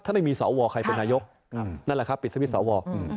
ถ้าไม่มีสวใครเป็นนายกนั่นแหละครับปิดสวิตช์สว